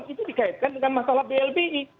dekatkan dengan masalah blbi